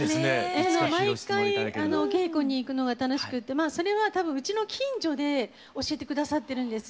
毎回お稽古に行くのが楽しくてそれは多分うちの近所で教えて下さってるんです。